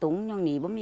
ủng hộ của bạn nhé